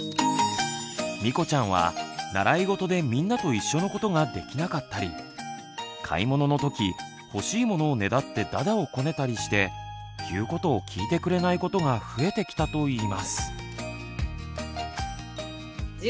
みこちゃんは習い事でみんなと一緒のことができなかったり買い物の時欲しいものをねだってだだをこねたりして言うことを聞いてくれないことが増えてきたといいます。